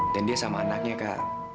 dan dia sama anaknya kak